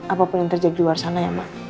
apapun yang terjadi luar sana ya mak